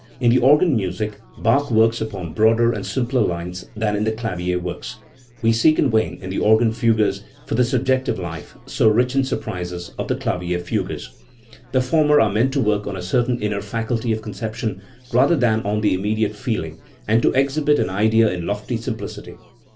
In the organ music Bach works upon much broader and simpler lines than in the clavier works. We seek in vain in the organ fugues for the subjective life, so rich in sur prises, of the clavier fugues. The former are meant to work on a certain inner faculty of conception rather than on the immediate feeling, and to exhibit an idea in lofty sim plicity.